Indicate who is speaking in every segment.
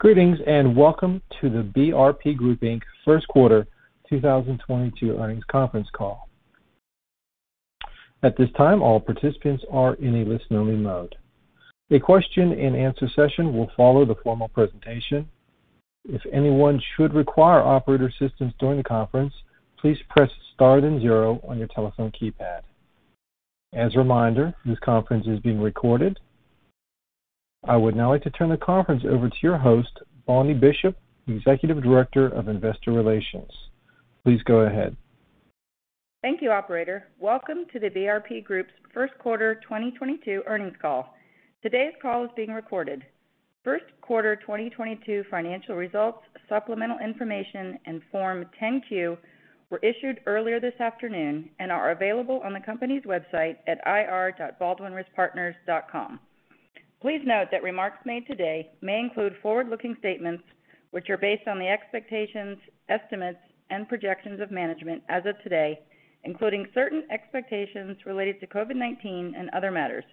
Speaker 1: Greetings, and welcome to the BRP Group, Inc. first quarter 2022 earnings conference call. At this time, all participants are in a listen-only mode. A question-and-answer session will follow the formal presentation. If anyone should require operator assistance during the conference, please press star then zero on your telephone keypad. As a reminder, this conference is being recorded. I would now like to turn the conference over to your host, Bonnie Bishop, Executive Director of Investor Relations. Please go ahead.
Speaker 2: Thank you, operator. Welcome to the BRP Group's first quarter 2022 earnings call. Today's call is being recorded. First quarter 2022 financial results, supplemental information and Form 10-Q were issued earlier this afternoon and are available on the company's website at ir.baldwinriskpartners.com. Please note that remarks made today may include forward-looking statements which are based on the expectations, estimates and projections of management as of today, including certain expectations related to COVID-19 and other matters.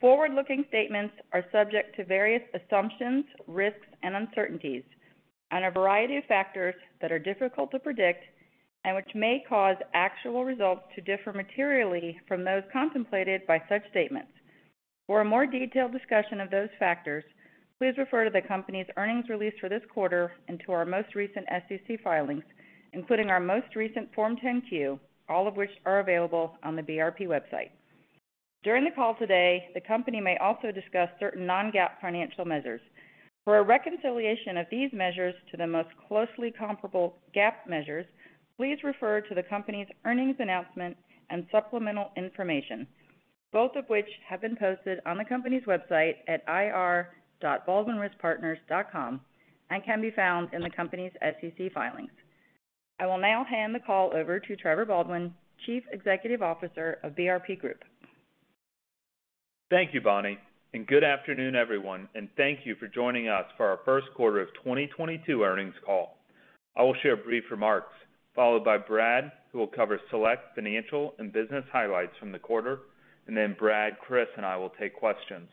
Speaker 2: Forward-looking statements are subject to various assumptions, risks and uncertainties and a variety of factors that are difficult to predict and which may cause actual results to differ materially from those contemplated by such statements. For a more detailed discussion of those factors, please refer to the company's earnings release for this quarter and to our most recent SEC filings, including our most recent Form 10-Q, all of which are available on the BRP website. During the call today, the company may also discuss certain non-GAAP financial measures. For a reconciliation of these measures to the most closely comparable GAAP measures, please refer to the company's earnings announcement and supplemental information, both of which have been posted on the company's website at ir.baldwinriskpartners.com and can be found in the company's SEC filings. I will now hand the call over to Trevor Baldwin, Chief Executive Officer of BRP Group.
Speaker 3: Thank you, Bonnie, and good afternoon, everyone, and thank you for joining us for our first quarter of 2022 earnings call. I will share brief remarks, followed by Brad, who will cover select financial and business highlights from the quarter, and then Brad, Kris and I will take questions.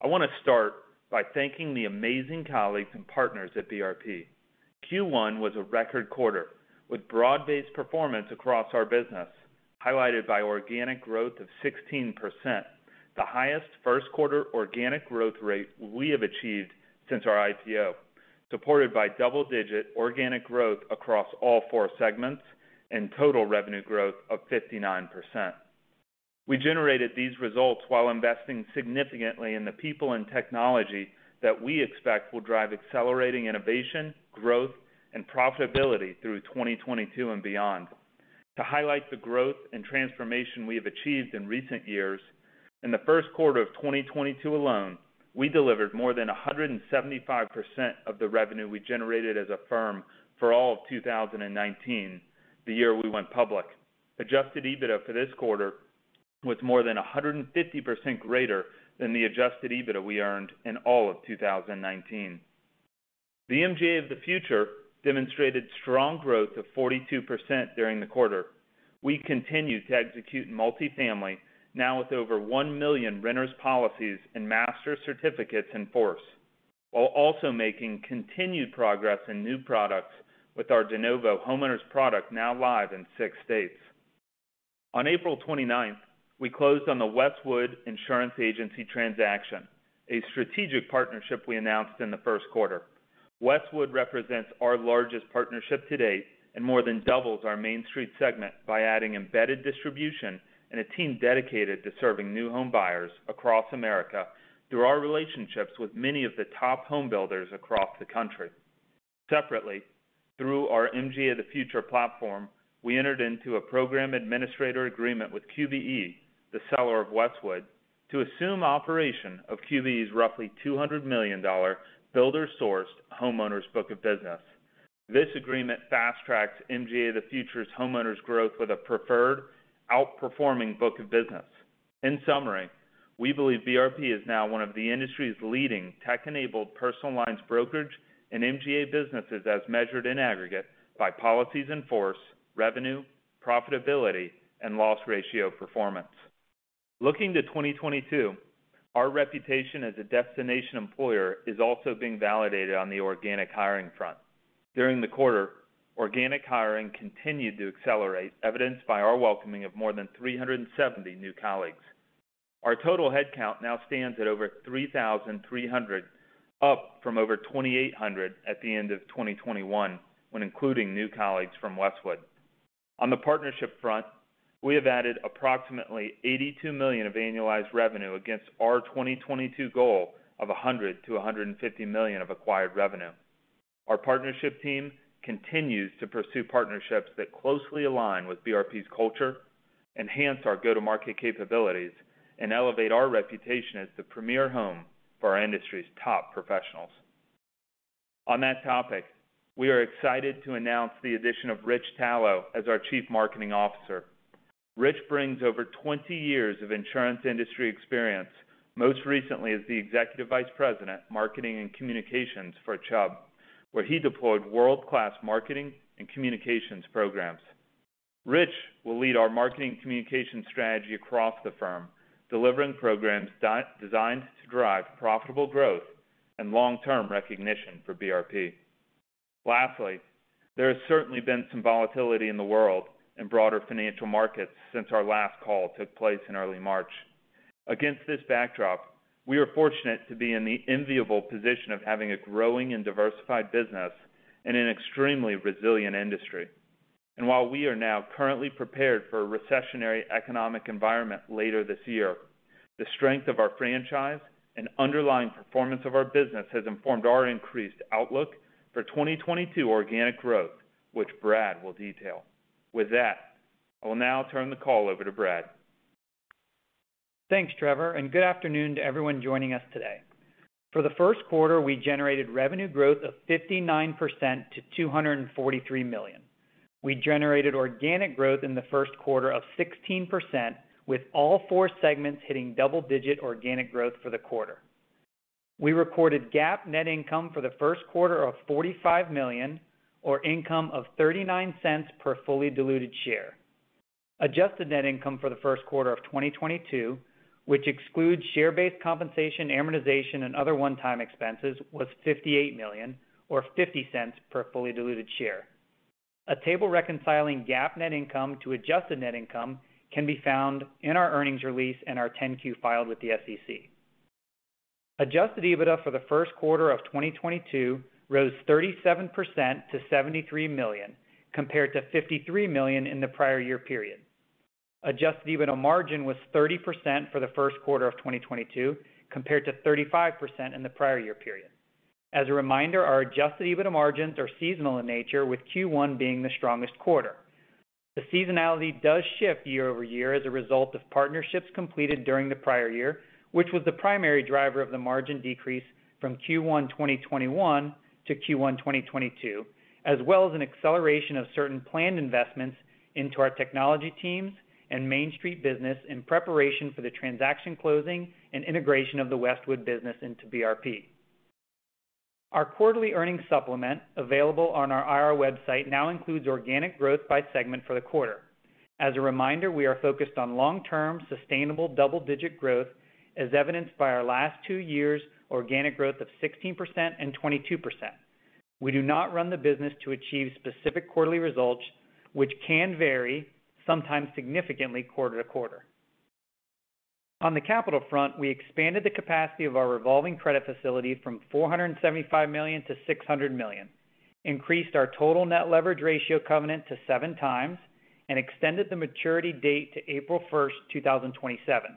Speaker 3: I want to start by thanking the amazing colleagues and partners at BRP. Q1 was a record quarter, with broad-based performance across our business, highlighted by organic growth of 16%, the highest first quarter organic growth rate we have achieved since our IPO, supported by double-digit organic growth across all four segments and total revenue growth of 59%. We generated these results while investing significantly in the people and technology that we expect will drive accelerating innovation, growth, and profitability through 2022 and beyond. To highlight the growth and transformation we have achieved in recent years, in the first quarter of 2022 alone, we delivered more than 175% of the revenue we generated as a firm for all of 2019, the year we went public. Adjusted EBITDA for this quarter was more than 150% greater than the adjusted EBITDA we earned in all of 2019. The MGA of the Future demonstrated strong growth of 42% during the quarter. We continue to execute multifamily now with over 1 million renters policies and master certificates in force, while also making continued progress in new products with our de-novo homeowners product now live in six states. On April 29th, we closed on the Westwood Insurance Agency transaction, a strategic partnership we announced in the first quarter. Westwood represents our largest partnership to date and more than doubles our MainStreet segment by adding embedded distribution and a team dedicated to serving new home buyers across America through our relationships with many of the top home builders across the country. Separately, through our MGA of the Future platform, we entered into a program administrator agreement with QBE, the seller of Westwood, to assume operation of QBE's roughly $200 million builder-sourced homeowners book of business. This agreement fast-tracks MGA of the Future's homeowners growth with a preferred outperforming book of business. In summary, we believe BRP is now one of the industry's leading tech-enabled personal lines brokerage and MGA businesses as measured in aggregate by policies in force, revenue, profitability, and loss ratio performance. Looking to 2022, our reputation as a destination employer is also being validated on the organic hiring front. During the quarter, organic hiring continued to accelerate, evidenced by our welcoming of more than 370 new colleagues. Our total headcount now stands at over 3,300, up from over 2,800 at the end of 2021, when including new colleagues from Westwood. On the partnership front, we have added approximately $82 million of annualized revenue against our 2022 goal of $100 million-$150 million of acquired revenue. Our partnership team continues to pursue partnerships that closely align with BRP's culture, enhance our go-to-market capabilities, and elevate our reputation as the premier home for our industry's top professionals. On that topic, we are excited to announce the addition of Rich Tallo as our Chief Marketing Officer. Rich brings over 20 years of insurance industry experience, most recently as the Executive Vice President, Marketing and Communications for Chubb, where he deployed world-class marketing and communications programs. Rich will lead our marketing communication strategy across the firm, delivering programs designed to drive profitable growth and long-term recognition for BRP. Lastly, there has certainly been some volatility in the world and broader financial markets since our last call took place in early March. Against this backdrop, we are fortunate to be in the enviable position of having a growing and diversified business in an extremely resilient industry. While we are now currently prepared for a recessionary economic environment later this year, the strength of our franchise and underlying performance of our business has informed our increased outlook for 2022 organic growth, which Brad will detail. With that, I will now turn the call over to Brad.
Speaker 4: Thanks, Trevor, and good afternoon to everyone joining us today. For the first quarter, we generated revenue growth of 59% to $243 million. We generated organic growth in the first quarter of 16%, with all four segments hitting double-digit organic growth for the quarter. We recorded GAAP net income for the first quarter of $45 million, or income of $0.39 per fully diluted share. Adjusted net income for the first quarter of 2022, which excludes share-based compensation, amortization, and other one-time expenses, was $58 million or $0.50 per fully diluted share. A table reconciling GAAP net income to adjusted net income can be found in our earnings release and our 10-Q filed with the SEC. Adjusted EBITDA for the first quarter of 2022 rose 37% to $73 million, compared to $53 million in the prior year period. Adjusted EBITDA margin was 30% for the first quarter of 2022, compared to 35% in the prior year period. As a reminder, our adjusted EBITDA margins are seasonal in nature, with Q1 being the strongest quarter. The seasonality does shift year-over-year as a result of partnerships completed during the prior year, which was the primary driver of the margin decrease from Q1 2021 to Q1 2022, as well as an acceleration of certain planned investments into our technology teams and MainStreet business in preparation for the transaction closing and integration of the Westwood business into BRP. Our quarterly earnings supplement, available on our IR website, now includes organic growth by segment for the quarter. As a reminder, we are focused on long-term, sustainable double-digit growth, as evidenced by our last two years' organic growth of 16% and 22%. We do not run the business to achieve specific quarterly results, which can vary, sometimes significantly, quarter to quarter. On the capital front, we expanded the capacity of our revolving credit facility from $475 million to $600 million, increased our total net leverage ratio covenant to 7x, and extended the maturity date to April first, 2027.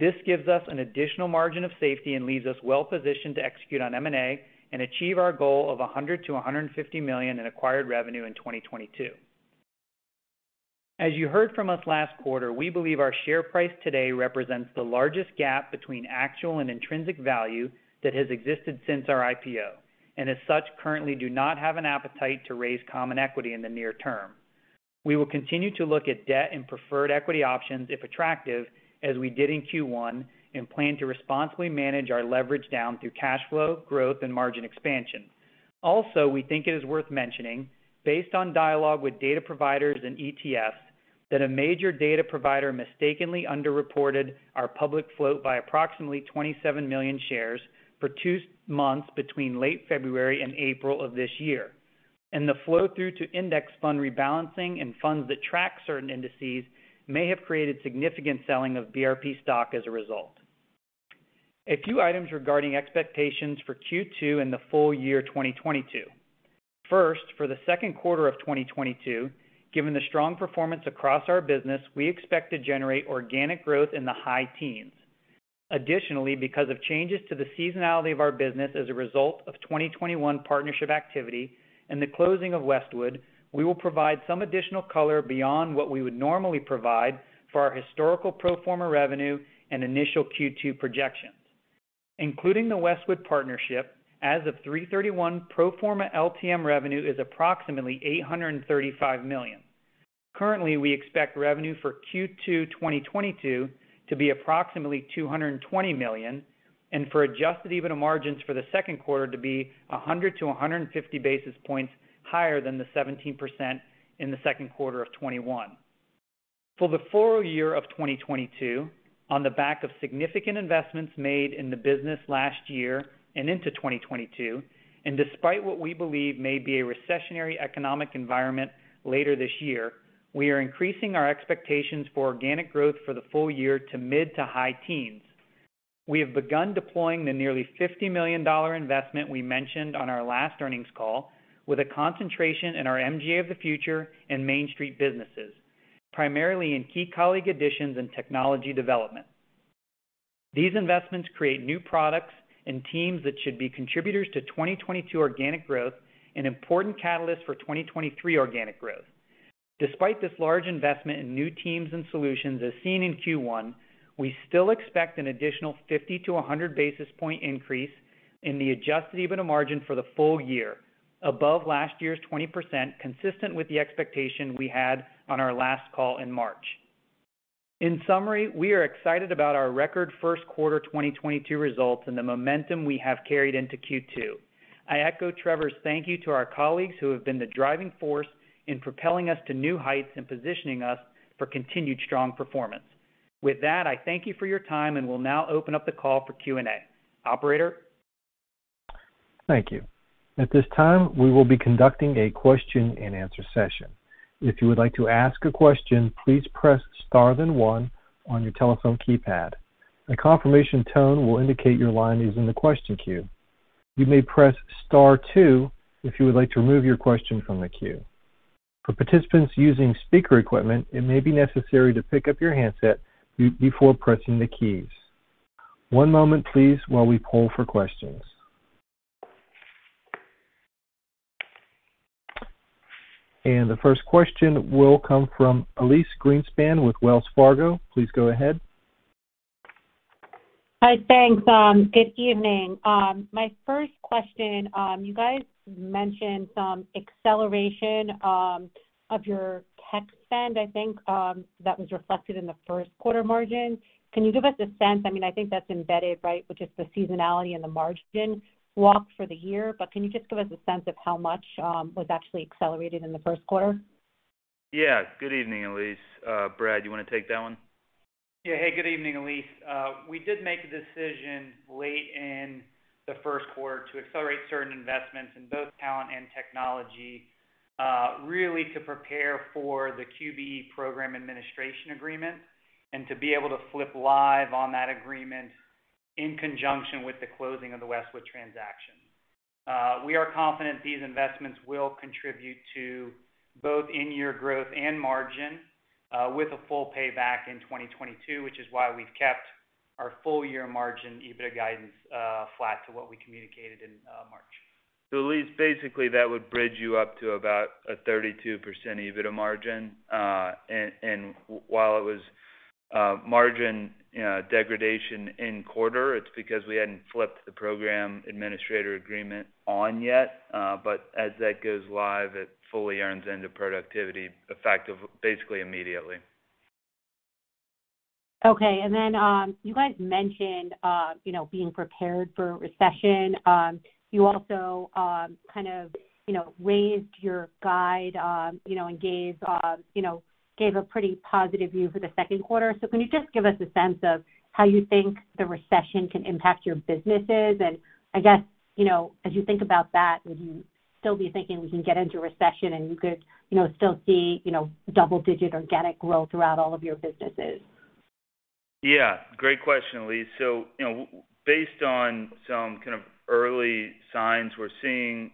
Speaker 4: This gives us an additional margin of safety and leaves us well-positioned to execute on M&A and achieve our goal of $100 million-$150 million in acquired revenue in 2022. As you heard from us last quarter, we believe our share price today represents the largest gap between actual and intrinsic value that has existed since our IPO, and as such, currently do not have an appetite to raise common equity in the near term. We will continue to look at debt and preferred equity options, if attractive, as we did in Q1, and plan to responsibly manage our leverage down through cash flow, growth, and margin expansion. Also, we think it is worth mentioning, based on dialogue with data providers and ETFs, that a major data provider mistakenly underreported our public float by approximately 27 million shares for two months between late February and April of this year, and the flow-through to index fund rebalancing and funds that track certain indices may have created significant selling of BRP stock as a result. A few items regarding expectations for Q2 and the full year 2022. First, for the second quarter of 2022, given the strong performance across our business, we expect to generate organic growth in the high teens. Additionally, because of changes to the seasonality of our business as a result of 2021 partnership activity and the closing of Westwood, we will provide some additional color beyond what we would normally provide for our historical pro forma revenue and initial Q2 projections. Including the Westwood partnership, as of 3/31 pro forma LTM revenue is approximately $835 million. Currently, we expect revenue for Q2 2022 to be approximately $220 million, and for adjusted EBITDA margins for the second quarter to be 100-150 basis points higher than the 17% in the second quarter of 2021. For the full year of 2022, on the back of significant investments made in the business last year and into 2022, and despite what we believe may be a recessionary economic environment later this year, we are increasing our expectations for organic growth for the full year to mid- to high-teens. We have begun deploying the nearly $50 million investment we mentioned on our last earnings call with a concentration in our MGA of the Future and MainStreet businesses, primarily in key colleague additions and technology development. These investments create new products and teams that should be contributors to 2022 organic growth and important catalysts for 2023 organic growth. Despite this large investment in new teams and solutions as seen in Q1, we still expect an additional 50-100 basis points increase in the adjusted EBITDA margin for the full year, above last year's 20%, consistent with the expectation we had on our last call in March. In summary, we are excited about our record first quarter 2022 results and the momentum we have carried into Q2. I echo Trevor's thank you to our colleagues who have been the driving force in propelling us to new heights and positioning us for continued strong performance. With that, I thank you for your time, and we'll now open up the call for Q&A. Operator?
Speaker 1: Thank you. At this time, we will be conducting a question-and-answer session. If you would like to ask a question, please press star then one on your telephone keypad. A confirmation tone will indicate your line is in the question queue. You may press star two if you would like to remove your question from the queue. For participants using speaker equipment, it may be necessary to pick up your handset before pressing the keys. One moment please while we poll for questions. The first question will come from Elyse Greenspan with Wells Fargo. Please go ahead.
Speaker 5: Hi. Thanks. Good evening. My first question, you guys mentioned some acceleration of your tech spend, I think, that was reflected in the first quarter margin. Can you give us a sense, I mean, I think that's embedded, right, which is the seasonality and the margin walk for the year, but can you just give us a sense of how much was actually accelerated in the first quarter?
Speaker 3: Yeah. Good evening, Elyse. Brad, you want to take that one?
Speaker 4: Yeah. Hey, good evening, Elyse. We did make a decision late in the first quarter to accelerate certain investments in both talent and technology, really to prepare for the QBE program administration agreement and to be able to flip live on that agreement in conjunction with the closing of the Westwood transaction. We are confident these investments will contribute to both in-year growth and margin, with a full payback in 2022, which is why we've kept our full year margin EBIT guidance flat to what we communicated in March.
Speaker 3: Elyse, basically, that would bridge you up to about a 32% EBIT margin. And while it was margin, you know, degradation in quarter, it's because we hadn't flipped the program administrator agreement on yet. But as that goes live, it fully earns into productivity effective basically immediately.
Speaker 5: Okay. You guys mentioned you know, being prepared for a recession. You also kind of you know, raised your guide you know, and gave a pretty positive view for the second quarter. Can you just give us a sense of how you think the recession can impact your businesses? I guess you know, as you think about that, would you still be thinking we can get into recession and you could you know, still see you know, double-digit organic growth throughout all of your businesses?
Speaker 3: Yeah, great question, Elyse. You know, based on some kind of early signs we're seeing,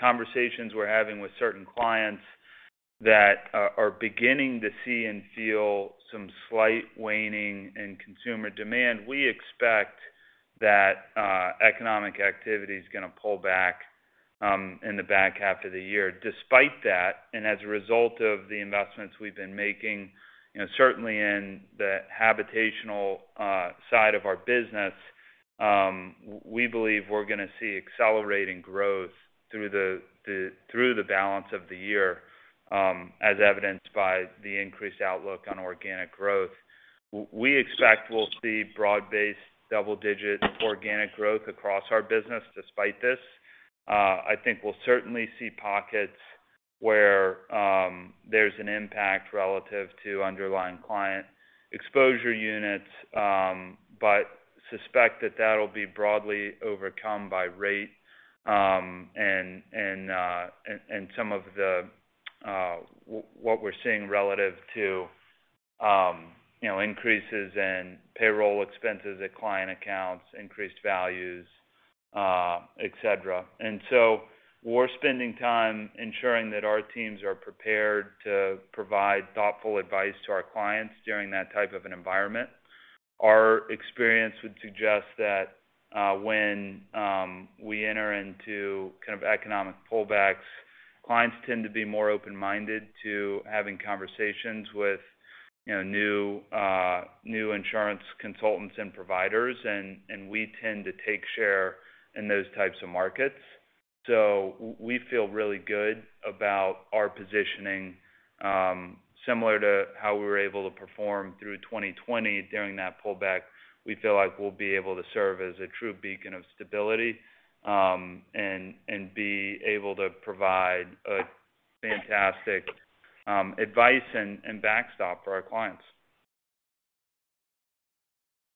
Speaker 3: conversations we're having with certain clients that are beginning to see and feel some slight waning in consumer demand. We expect that economic activity is going to pull back in the back half of the year. Despite that, and as a result of the investments we've been making, you know, certainly in the habitational side of our business, we believe we're going to see accelerating growth through the balance of the year, as evidenced by the increased outlook on organic growth. We expect we'll see broad-based double-digit organic growth across our business despite this. I think we'll certainly see pockets where there's an impact relative to underlying client exposure units, but suspect that that'll be broadly overcome by rate, and some of the what we're seeing relative to, you know, increases in payroll expenses at client accounts, increased values, et cetera. We're spending time ensuring that our teams are prepared to provide thoughtful advice to our clients during that type of an environment. Our experience would suggest that when we enter into kind of economic pullbacks, clients tend to be more open-minded to having conversations with, you know, new insurance consultants and providers, and we tend to take share in those types of markets. We feel really good about our positioning, similar to how we were able to perform through 2020 during that pullback. We feel like we'll be able to serve as a true beacon of stability, and be able to provide a fantastic advice and backstop for our clients.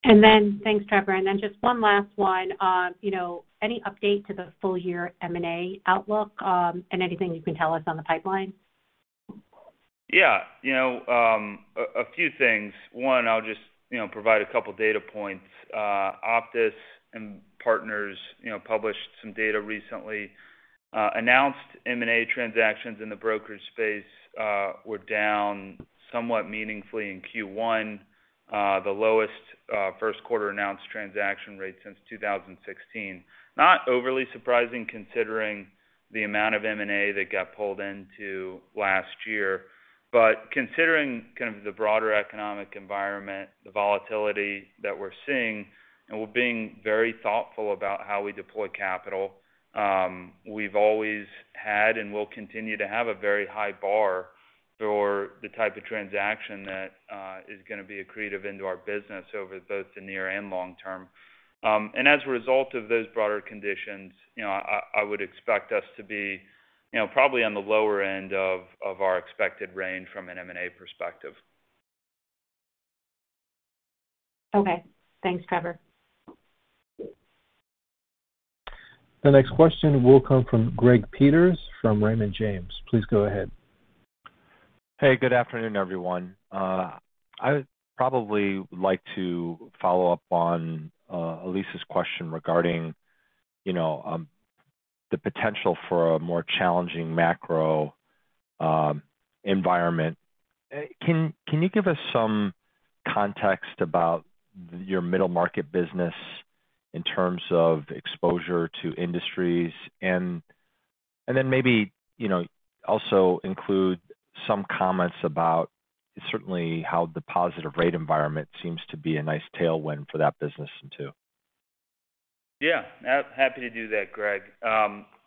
Speaker 5: Thanks, Trevor. Just one last one. You know, any update to the full year M&A outlook, and anything you can tell us on the pipeline?
Speaker 3: Yeah. You know, a few things. One, I'll just, you know, provide a couple data points. OPTIS Partners, you know, published some data recently. Announced M&A transactions in the brokerage space were down somewhat meaningfully in Q1, the lowest first quarter announced transaction rate since 2016. Not overly surprising considering the amount of M&A that got pulled into last year. Considering kind of the broader economic environment, the volatility that we're seeing, and we're being very thoughtful about how we deploy capital, we've always had and will continue to have a very high bar for the type of transaction that is gonna be accretive to our business over both the near and long term. As a result of those broader conditions, you know, I would expect us to be, you know, probably on the lower end of our expected range from an M&A perspective.
Speaker 5: Okay. Thanks, Trevor.
Speaker 1: The next question will come from Greg Peters from Raymond James. Please go ahead.
Speaker 6: Hey, good afternoon, everyone. I probably would like to follow up on Elyse's question regarding, you know, the potential for a more challenging macro environment. Can you give us some context about your middle market business in terms of exposure to industries? Then maybe, you know, also include some comments about certainly how the positive rate environment seems to be a nice tailwind for that business too.
Speaker 3: Yeah. Happy to do that, Greg.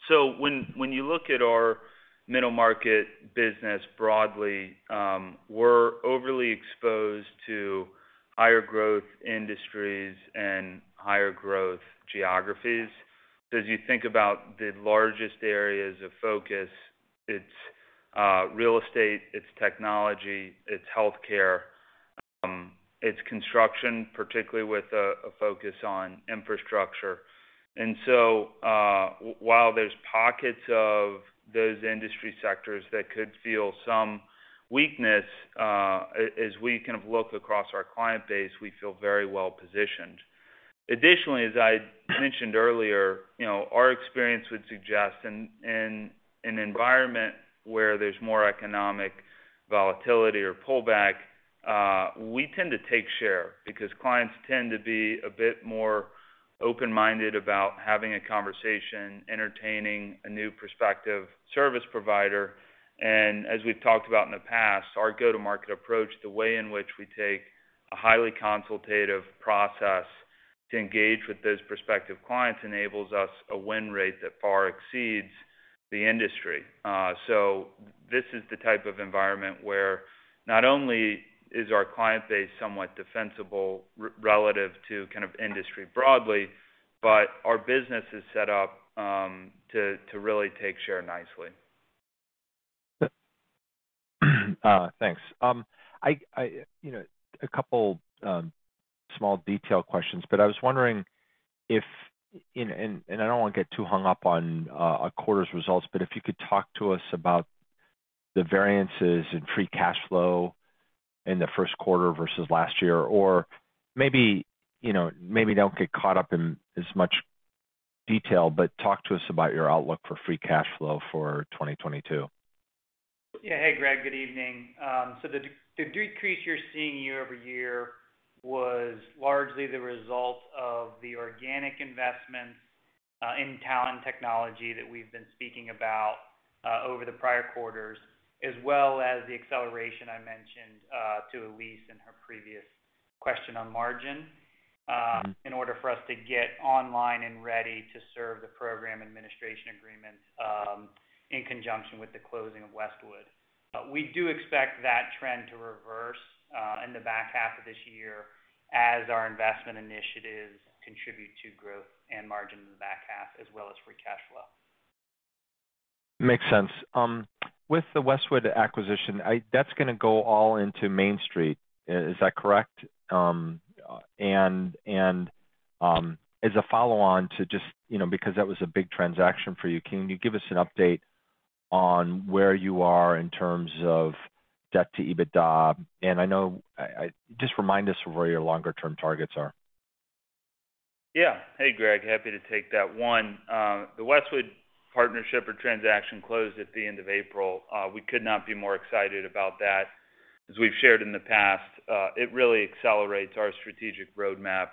Speaker 3: When you look at our middle market business broadly, we're overly exposed to higher growth industries and higher growth geographies. As you think about the largest areas of focus, it's real estate, it's technology, it's healthcare, it's construction, particularly with a focus on infrastructure. While there's pockets of those industry sectors that could feel some weakness, as we kind of look across our client base, we feel very well positioned. Additionally, as I mentioned earlier, you know, our experience would suggest in an environment where there's more economic volatility or pullback, we tend to take share because clients tend to be a bit more open-minded about having a conversation, entertaining a new prospective service provider. As we've talked about in the past, our go-to-market approach, the way in which we take a highly consultative process to engage with those prospective clients enables us a win rate that far exceeds the industry. This is the type of environment where not only is our client base somewhat defensible relative to kind of industry broadly, but our business is set up to really take share nicely.
Speaker 6: Thanks. You know, a couple small detail questions, but I was wondering if, and I don't want to get too hung up on, a quarter's results, but if you could talk to us about the variances in free cash flow in the first quarter versus last year, or maybe, you know, maybe don't get caught up in as much detail, but talk to us about your outlook for free cash flow for 2022.
Speaker 4: Yeah. Hey, Greg. Good evening. The decrease you're seeing year-over-year was largely the result of the organic investments in talent technology that we've been speaking about over the prior quarters, as well as the acceleration I mentioned to Elyse in her previous question on margin. In order for us to get online and ready to serve the program administration agreement in conjunction with the closing of Westwood. We do expect that trend to reverse in the back half of this year as our investment initiatives contribute to growth and margin in the back half, as well as free cash flow.
Speaker 6: Makes sense. With the Westwood acquisition, that's gonna go all into MainStreet. Is that correct? As a follow-on to just, you know, because that was a big transaction for you, can you give us an update on where you are in terms of debt to EBITDA? I know. Just remind us of where your longer-term targets are.
Speaker 3: Yeah. Hey, Greg. Happy to take that. One, the Westwood partnership or transaction closed at the end of April. We could not be more excited about that. As we've shared in the past, it really accelerates our strategic roadmap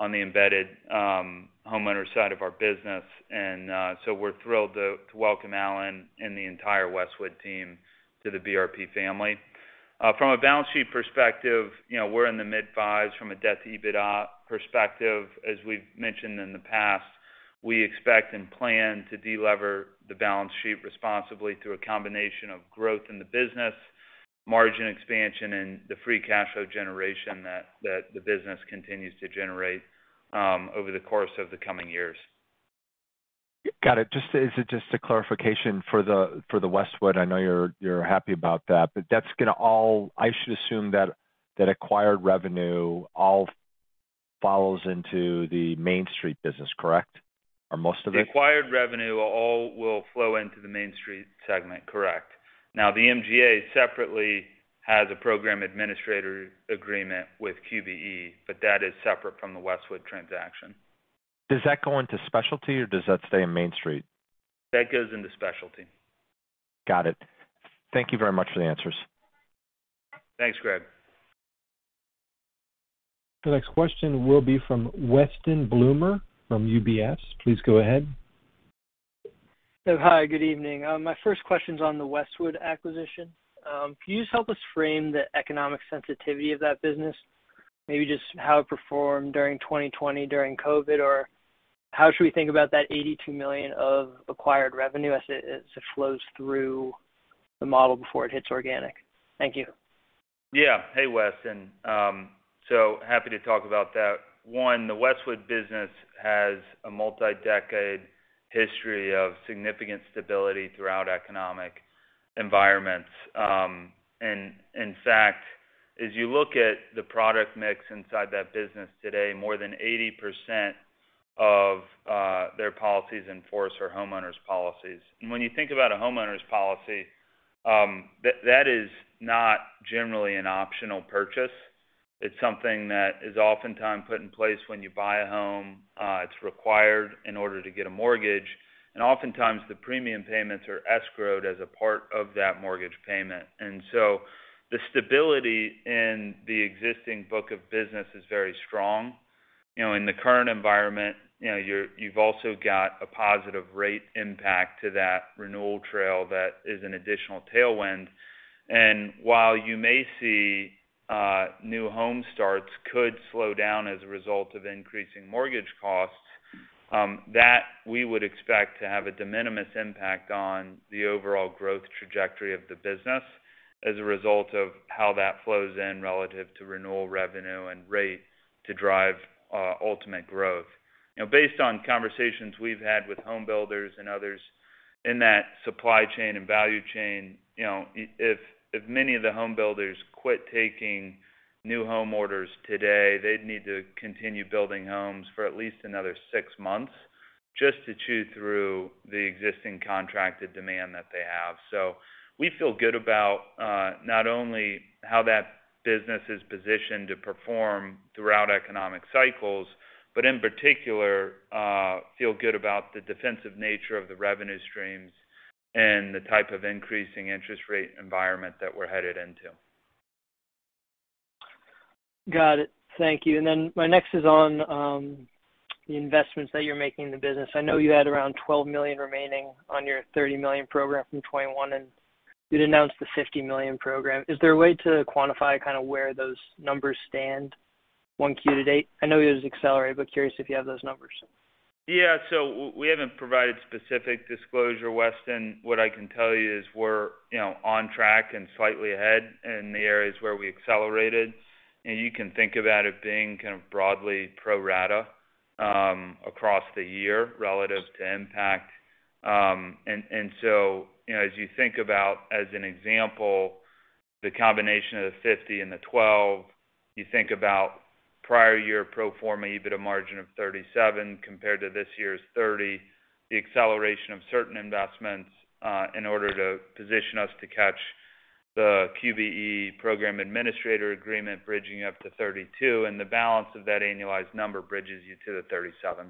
Speaker 3: on the embedded, homeowner side of our business. We're thrilled to welcome Alan and the entire Westwood team to the BRP family. From a balance sheet perspective, you know, we're in the mid-fives from a debt-to-EBITDA perspective. As we've mentioned in the past, we expect and plan to de-lever the balance sheet responsibly through a combination of growth in the business, margin expansion, and the free cash flow generation that the business continues to generate over the course of the coming years.
Speaker 6: Got it. Just a clarification for the Westwood. I know you're happy about that, but I should assume that acquired revenue all follows into the MainStreet business, correct? Or most of it?
Speaker 3: The acquired revenue all will flow into the MainStreet segment, correct. Now, the MGA separately has a program administrator agreement with QBE, but that is separate from the Westwood transaction.
Speaker 6: Does that go into specialty or does that stay in MainStreet?
Speaker 3: That goes into specialty.
Speaker 6: Got it. Thank you very much for the answers.
Speaker 3: Thanks, Greg.
Speaker 1: The next question will be from Weston Bloomer from UBS. Please go ahead.
Speaker 7: Hi, good evening. My first question's on the Westwood acquisition. Can you just help us frame the economic sensitivity of that business? Maybe just how it performed during 2020, during COVID, or how should we think about that $82 million of acquired revenue as it flows through the model before it hits organic? Thank you.
Speaker 3: Yeah. Hey, Weston. So happy to talk about that. One, the Westwood business has a multi-decade history of significant stability throughout economic environments. In fact, as you look at the product mix inside that business today, more than 80% of their policies in force are homeowners policies. When you think about a homeowners policy, that is not generally an optional purchase. It's something that is oftentimes put in place when you buy a home. It's required in order to get a mortgage. Oftentimes the premium payments are escrowed as a part of that mortgage payment. The stability in the existing book of business is very strong. You know, in the current environment, you know, you've also got a positive rate impact to that renewal trail that is an additional tailwind. While you may see new home starts could slow down as a result of increasing mortgage costs, that we would expect to have a de minimis impact on the overall growth trajectory of the business as a result of how that flows in relative to renewal revenue and rate to drive ultimate growth. You know, based on conversations we've had with home builders and others in that supply chain and value chain, you know, if many of the home builders quit taking new home orders today, they'd need to continue building homes for at least another six months just to chew through the existing contracted demand that they have. We feel good about not only how that business is positioned to perform throughout economic cycles, but in particular, feel good about the defensive nature of the revenue streams and the type of increasing interest rate environment that we're headed into.
Speaker 7: Got it. Thank you. My next is on the investments that you're making in the business. I know you had around $12 million remaining on your $30 million program from 2021, and you'd announced the $50 million program. Is there a way to quantify kind of where those numbers stand 1Q to date? I know it was accelerated, but curious if you have those numbers.
Speaker 3: Yeah. We haven't provided specific disclosure, Weston. What I can tell you is we're, you know, on track and slightly ahead in the areas where we accelerated. You can think about it being kind of broadly pro rata across the year relative to impact. You know, as you think about as an example, the combination of the $50 million and the $12 million, you think about prior year pro forma EBITDA margin of 37% compared to this year's 30%, the acceleration of certain investments in order to position us to catch the QBE program administrator agreement bridging up to 32%, and the balance of that annualized number bridges you to the 37%.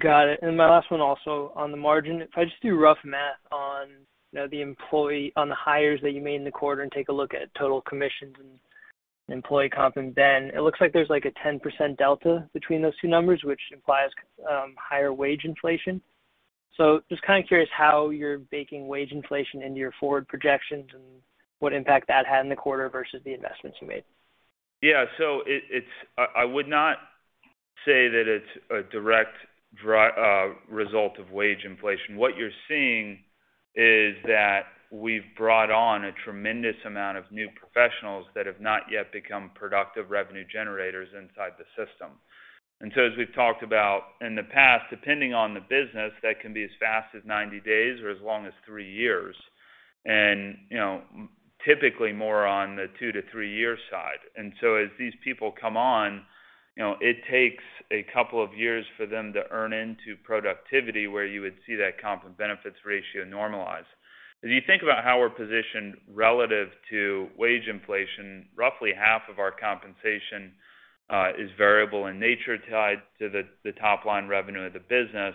Speaker 7: Got it. My last one also on the margin. If I just do rough math on, you know, the hires that you made in the quarter and take a look at total commissions and employee comp and then, it looks like there's like a 10% delta between those two numbers, which implies higher wage inflation. Just kind of curious how you're baking wage inflation into your forward projections and what impact that had in the quarter versus the investments you made.
Speaker 3: I would not say that it's a direct result of wage inflation. What you're seeing is that we've brought on a tremendous amount of new professionals that have not yet become productive revenue generators inside the system. As we've talked about in the past, depending on the business, that can be as fast as 90 days or as long as three years, typically more on the 2-3 year side. As these people come on, it takes a couple of years for them to earn into productivity, where you would see that comp and benefits ratio normalize. If you think about how we're positioned relative to wage inflation, roughly half of our compensation is variable in nature, tied to the top line revenue of the business.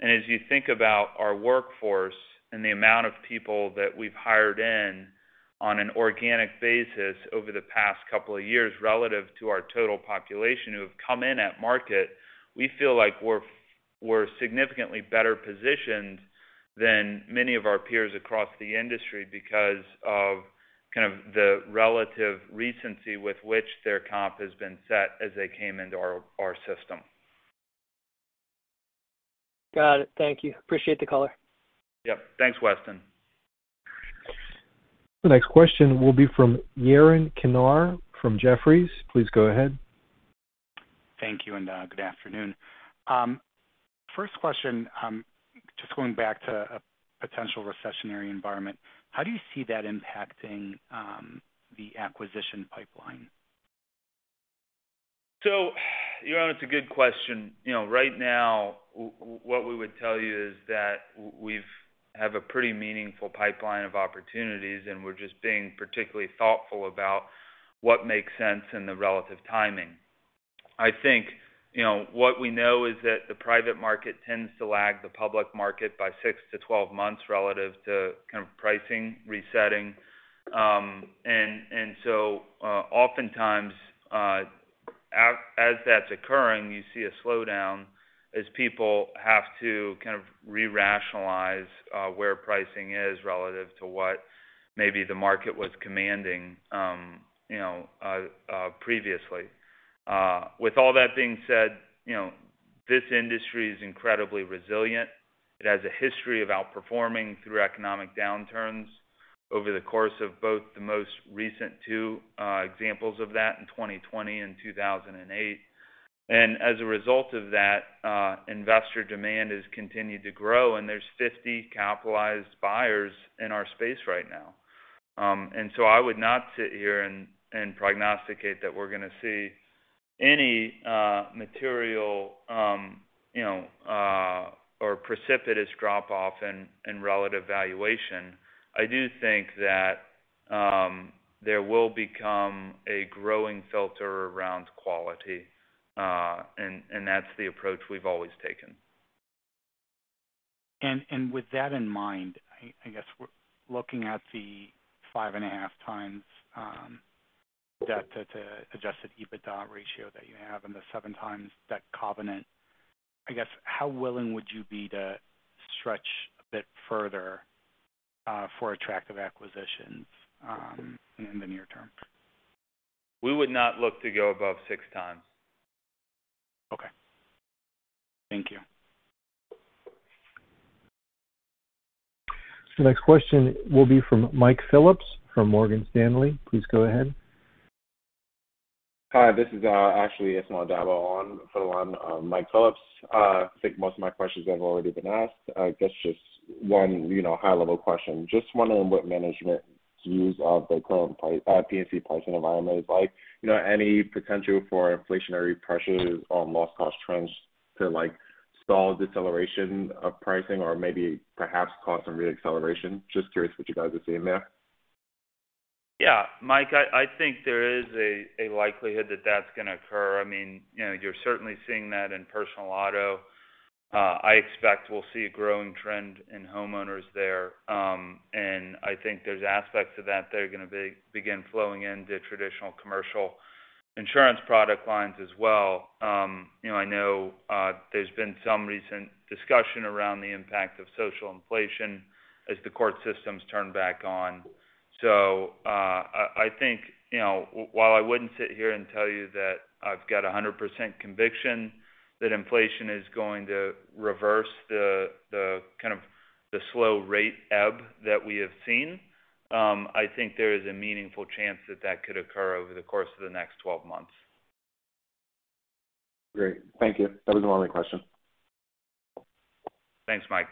Speaker 3: As you think about our workforce and the amount of people that we've hired in on an organic basis over the past couple of years relative to our total population who have come in at market, we feel like we're significantly better positioned than many of our peers across the industry because of kind of the relative recency with which their comp has been set as they came into our system.
Speaker 7: Got it. Thank you. Appreciate the color.
Speaker 3: Yep. Thanks, Weston.
Speaker 1: The next question will be from Yaron Kinar from Jefferies. Please go ahead.
Speaker 8: Thank you, and good afternoon. First question, just going back to a potential recessionary environment. How do you see that impacting the acquisition pipeline?
Speaker 3: Yaron, it's a good question. You know, right now, what we would tell you is that we have a pretty meaningful pipeline of opportunities, and we're just being particularly thoughtful about what makes sense in the relative timing. I think, you know, what we know is that the private market tends to lag the public market by 6-12 months relative to kind of pricing resetting. So, oftentimes, as that's occurring, you see a slowdown as people have to kind of re-rationalize where pricing is relative to what maybe the market was commanding, you know, previously. With all that being said, you know, this industry is incredibly resilient. It has a history of outperforming through economic downturns over the course of both the most recent two examples of that in 2020 and 2008. As a result of that, investor demand has continued to grow, and there's 50 capitalized buyers in our space right now. I would not sit here and prognosticate that we're gonna see any material, you know, or precipitous drop-off in relative valuation. I do think that there will become a growing filter around quality, and that's the approach we've always taken.
Speaker 8: With that in mind, I guess we're looking at the 5.5x debt-to-adjusted EBITDA ratio that you have and the 7x debt covenant. I guess, how willing would you be to stretch a bit further for attractive acquisitions in the near term?
Speaker 3: We would not look to go above 6x.
Speaker 8: Okay. Thank you.
Speaker 1: The next question will be from Michael Phillips from Morgan Stanley. Please go ahead.
Speaker 9: Hi, this is actually Ismail Dabo on for Mike Phillips. I think most of my questions have already been asked. I guess just one, you know, high-level question. Just wondering what management's views of the current P&C pricing environment is like. You know, any potential for inflationary pressures on loss cost trends to, like, stall deceleration of pricing or maybe perhaps cause some re-acceleration? Just curious what you guys are seeing there.
Speaker 3: Yeah. Mike, I think there is a likelihood that that's gonna occur. I mean, you know, you're certainly seeing that in personal auto. I expect we'll see a growing trend in homeowners there. I think there's aspects of that that are gonna begin flowing into traditional commercial insurance product lines as well. You know, I know, there's been some recent discussion around the impact of social inflation as the court systems turn back on. So, I think, you know, while I wouldn't sit here and tell you that I've got 100% conviction that inflation is going to reverse the kind of slow rate ebb that we have seen, I think there is a meaningful chance that that could occur over the course of the next twelve months.
Speaker 9: Great. Thank you. That was my only question.
Speaker 3: Thanks, Mike.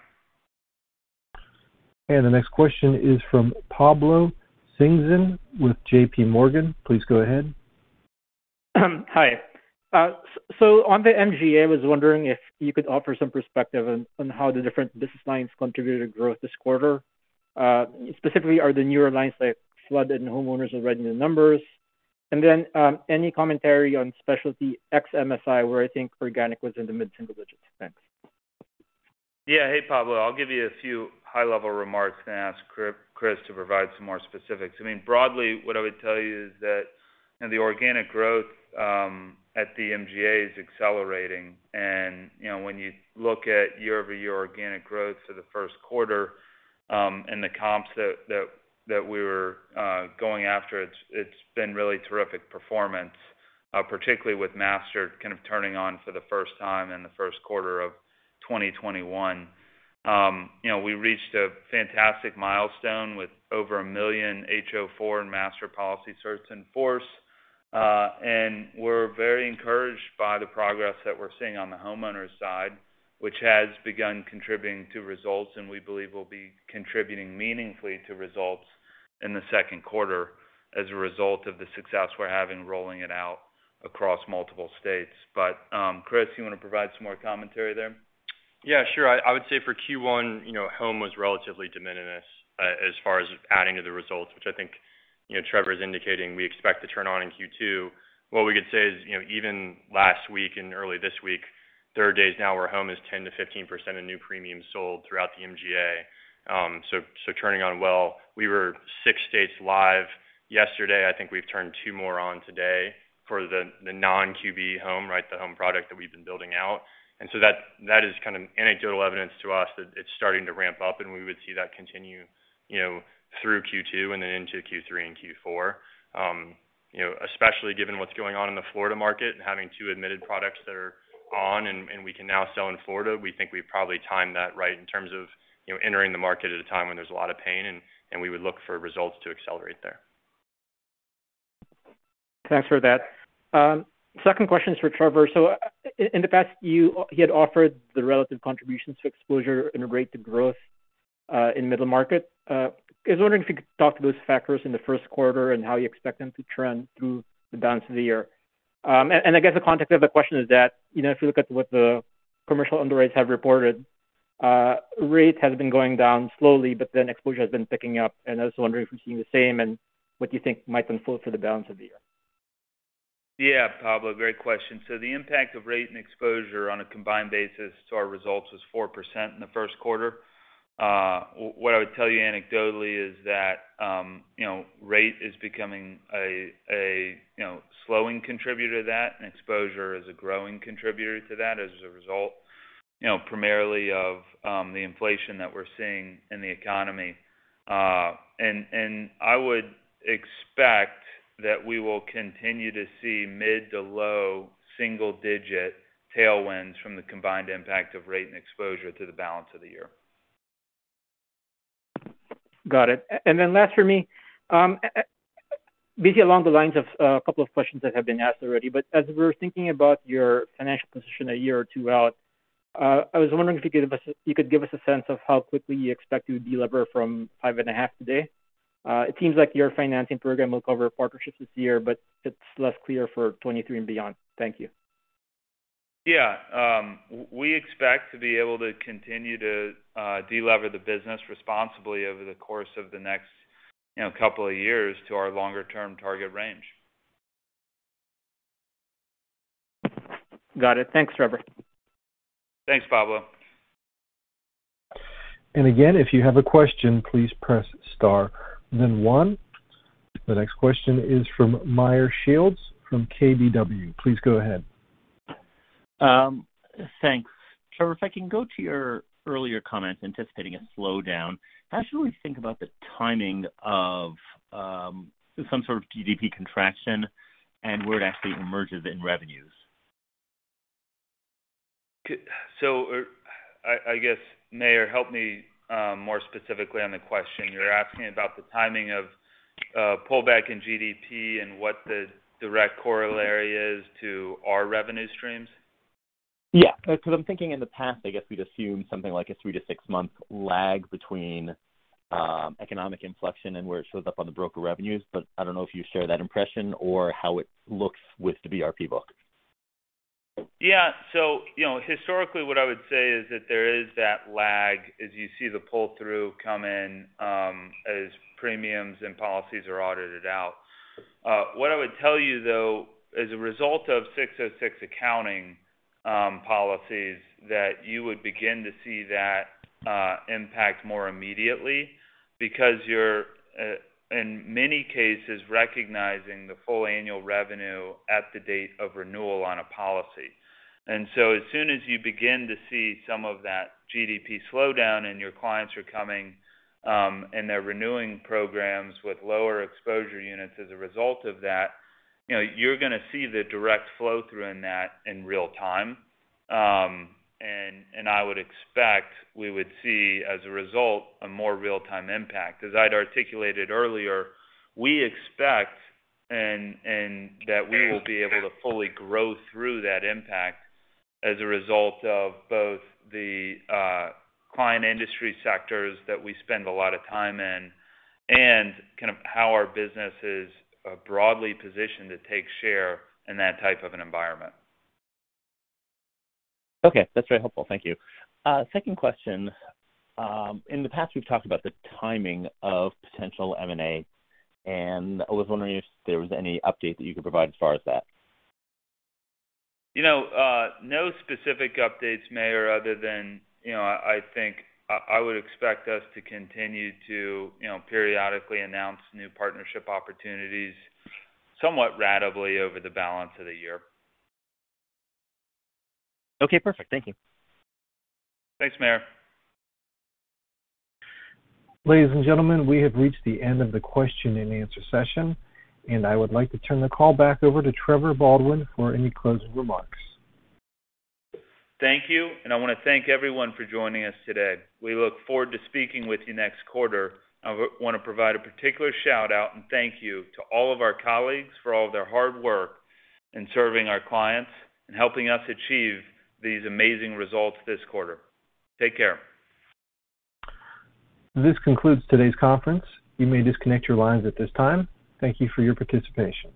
Speaker 1: The next question is from Pablo Singzon with JPMorgan. Please go ahead.
Speaker 10: Hi. On the MGA, I was wondering if you could offer some perspective on how the different business lines contributed to growth this quarter. Specifically, are the newer lines like flood and homeowners already in the numbers? Any commentary on specialty ex MSI, where I think organic was in the mid-single digits. Thanks.
Speaker 3: Yeah. Hey, Pablo. I'll give you a few high-level remarks and ask Kris to provide some more specifics. I mean, broadly, what I would tell you is that, you know, the organic growth at the MGA is accelerating. You know, when you look at year-over-year organic growth for the first quarter, and the comps that we were going after, it's been really terrific performance, particularly with Master kind of turning on for the first time in the first quarter of 2021. You know, we reached a fantastic milestone with over 1 million HO4 and Master policy certs in force. We're very encouraged by the progress that we're seeing on the homeowners side, which has begun contributing to results, and we believe will be contributing meaningfully to results in the second quarter as a result of the success we're having rolling it out across multiple states. Kris, you wanna provide some more commentary there?
Speaker 11: Yeah, sure. I would say for Q1, you know, home was relatively de minimis as far as adding to the results, which I think, you know, Trevor's indicating we expect to turn on in Q2. What we could say is, you know, even last week and early this week, there are days now where home is 10%-15% of new premiums sold throughout the MGA, so turning on well. We were six states live yesterday. I think we've turned 2 more on today for the non-QBE home, right? The home product that we've been building out. That is kind of anecdotal evidence to us that it's starting to ramp up, and we would see that continue, you know, through Q2 and then into Q3 and Q4. You know, especially given what's going on in the Florida market and having two admitted products that are on and we can now sell in Florida, we think we've probably timed that right in terms of, you know, entering the market at a time when there's a lot of pain, and we would look for results to accelerate there.
Speaker 10: Thanks for that. Second question is for Trevor. In the past, he had offered the relative contributions to exposure and rate to growth in middle market. I was wondering if you could talk to those factors in the first quarter and how you expect them to trend through the balance of the year. I guess the context of the question is that, you know, if you look at what the commercial underwriters have reported, rates have been going down slowly, but then exposure has been picking up. I was wondering if you're seeing the same and what you think might unfold for the balance of the year.
Speaker 3: Yeah. Pablo, great question. The impact of rate and exposure on a combined basis to our results was 4% in the first quarter. What I would tell you anecdotally is that, you know, rate is becoming a you know, slowing contributor to that, and exposure is a growing contributor to that as a result, you know, primarily of the inflation that we're seeing in the economy. I would expect that we will continue to see mid- to low-single-digit% tailwinds from the combined impact of rate and exposure to the balance of the year.
Speaker 10: Got it. Then last for me, basically along the lines of a couple of questions that have been asked already, but as we're thinking about your financial position a year or two out, I was wondering if you could give us a sense of how quickly you expect to deliver from 5.5 today. It seems like your financing program will cover partnerships this year, but it's less clear for 2023 and beyond. Thank you.
Speaker 3: Yeah. We expect to be able to continue to deleverage the business responsibly over the course of the next, you know, couple of years to our longer-term target range.
Speaker 10: Got it. Thanks, Trevor.
Speaker 3: Thanks, Pablo.
Speaker 1: Again, if you have a question, please press star then one. The next question is from Meyer Shields from KBW. Please go ahead.
Speaker 12: Thanks. Trevor, if I can go to your earlier comment anticipating a slowdown. How should we think about the timing of some sort of GDP contraction and where it actually emerges in revenues?
Speaker 3: I guess, Meyer, help me more specifically on the question. You're asking about the timing of pullback in GDP and what the direct corollary is to our revenue streams?
Speaker 12: Yeah, 'cause I'm thinking in the past, I guess we'd assume something like a 3-6-month lag between economic inflection and where it shows up on the broker revenues. I don't know if you share that impression or how it looks with the BRP book.
Speaker 3: Yeah. You know, historically, what I would say is that there is that lag as you see the pull-through come in, as premiums and policies are audited out. What I would tell you, though, as a result of ASC 606 accounting policies, that you would begin to see that impact more immediately because you're in many cases recognizing the full annual revenue at the date of renewal on a policy. As soon as you begin to see some of that GDP slowdown and your clients are coming and they're renewing programs with lower exposure units as a result of that, you know, you're gonna see the direct flow through in that in real time. I would expect we would see, as a result, a more real-time impact. As I'd articulated earlier, we expect and that we will be able to fully grow through that impact as a result of both the client industry sectors that we spend a lot of time in and kind of how our business is broadly positioned to take share in that type of an environment.
Speaker 12: Okay. That's very helpful. Thank you. Second question. In the past, we've talked about the timing of potential M&A, and I was wondering if there was any update that you could provide as far as that.
Speaker 3: You know, no specific updates, Meyer, other than, you know, I think I would expect us to continue to, you know, periodically announce new partnership opportunities somewhat ratably over the balance of the year.
Speaker 12: Okay, perfect. Thank you.
Speaker 3: Thanks, Meyer.
Speaker 1: Ladies and gentlemen, we have reached the end of the question and answer session, and I would like to turn the call back over to Trevor Baldwin for any closing remarks.
Speaker 3: Thank you. I wanna thank everyone for joining us today. We look forward to speaking with you next quarter. I wanna provide a particular shout-out and thank you to all of our colleagues for all of their hard work in serving our clients and helping us achieve these amazing results this quarter. Take care.
Speaker 1: This concludes today's conference. You may disconnect your lines at this time. Thank you for your participation.